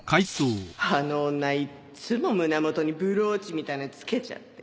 あの女いっつも胸元にブローチみたいなの着けちゃって。